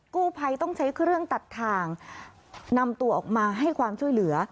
กู้ภัยต้องใช้เครื่องตัดทางนำตัวออกมาให้ความช่วยเหลือ